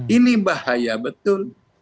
ini bahaya betul